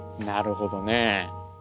なるほどね。